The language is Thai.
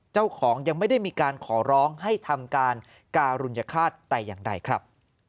ยังไม่ได้มีการขอร้องให้ทำการการุญฆาตแต่อย่างใดครับ